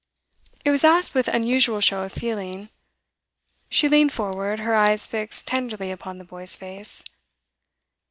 It was asked with unusual show of feeling; she leaned forward, her eyes fixed tenderly upon the boy's face.